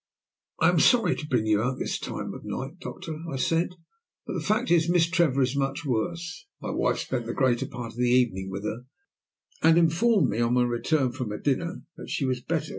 "I am sorry to bring you out at this time of the night, doctor," I said; "but the fact is, Miss Trevor is much worse. My wife spent the greater part of the evening with her, and informed me on my return from a dinner that she was better.